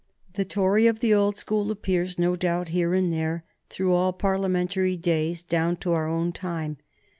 The Tory of the old school appears, no doubt, here and there through all Parliamentary days down to our own time.